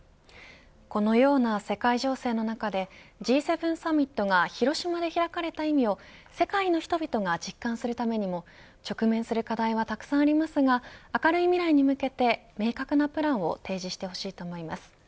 このような世界情勢の中でＧ７サミットが広島で開かれた意味を世界の人々が実感するためにも直面する課題はたくさんありますが明るい未来に向けて明確なプランを提示してほしいと思います。